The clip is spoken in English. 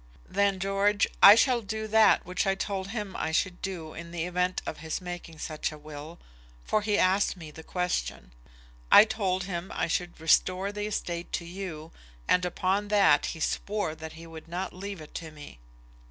"Then, George, I shall do that which I told him I should do in the event of his making such a will; for he asked me the question. I told him I should restore the estate to you, and upon that he swore that he would not leave it to me."